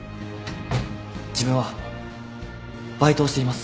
自分はバイトをしています。